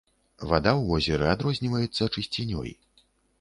Вада ў возеры адрозніваецца чысцінёй.